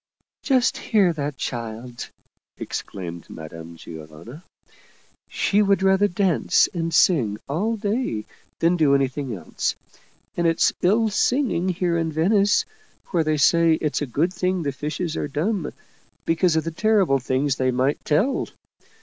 " Just hear that child !" exclaimed Madame Giovanna. " She would rather dance and sing all day than do any thing else. And it's ill singing here in Venice, where they say it's a good thing the fishes are dumb, because of, the terrible things they might tell.